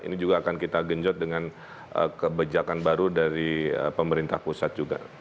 ini juga akan kita genjot dengan kebijakan baru dari pemerintah pusat juga